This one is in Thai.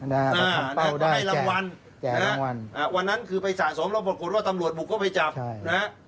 ได้คำเป้าได้แจกแจกรำวันวันนั้นคือไปสะสมระบบกฏว่าตำรวจบุกก็ไปจับใช่